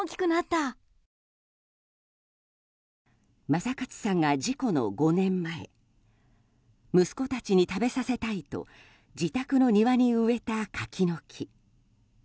正勝さんが、事故の５年前息子たちに食べさせたいと自宅の庭に植えた柿の木。